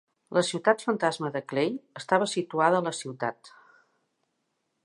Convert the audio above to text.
La ciutat fantasma de Clay estava situada a la ciutat.